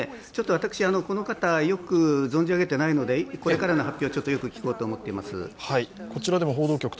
私、この方よく存じ上げていないのでこれからの発表をよく聞こうと思っています。